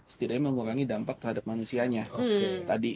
setidaknya mengurangi dampak terhadap manusianya